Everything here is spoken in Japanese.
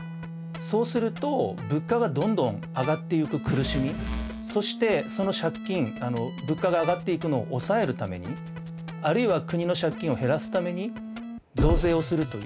そうすると物価がどんどん上がっていく苦しみそしてその借金物価が上がっていくのを抑えるためにあるいは国の借金を減らすために増税をするという。